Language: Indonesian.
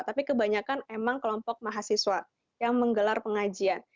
tapi kebanyakan emang kelompok mahasiswa yang menggelar pengajian